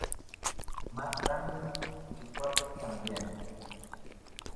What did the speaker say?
Más grandes y fuertes también.